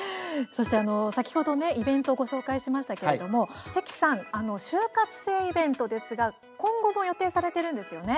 そして先ほど、イベントをご紹介しましたけれども関さん、就活生イベントですが今後も予定されているんですよね。